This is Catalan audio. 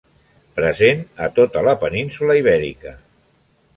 Present a tota la península Ibèrica.